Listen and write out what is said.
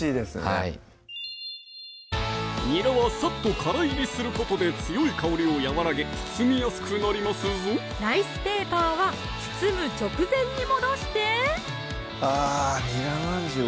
はいにらはサッと乾煎りすることで強い香りを和らげ包みやすくなりますぞライスペーパーは包む直前に戻してあぁ「ニラまんじゅう」